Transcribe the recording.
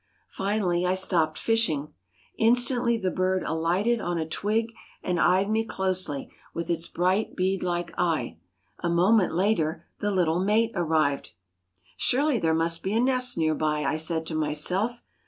Finally I stopped fishing. Instantly the bird alighted on a twig and eyed me closely with its bright bead like eye. A moment later the little mate arrived. "Surely there must be a nest near by," I said to myself.